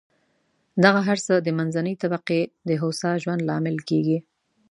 دغه هر څه د منځنۍ طبقې د هوسا ژوند لامل کېږي.